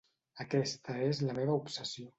Aquesta és la meva obsessió.